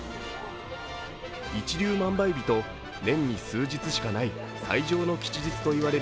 一粒万倍日と、年に数日しかない最上の吉日といわれる